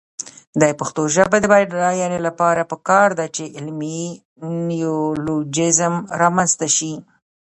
د پښتو ژبې د بډاینې لپاره پکار ده چې علمي نیولوجېزم رامنځته شي.